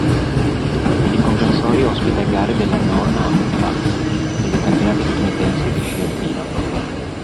Il comprensorio ospita gare della Nor-Am Cup e dei Campionati statunitensi di sci alpino.